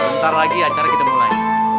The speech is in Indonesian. bentar lagi acara kita mulai